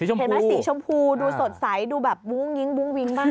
เห็นไหมสีชมพูดูสดใสดูแบบวุ้งวิ้งบ้าง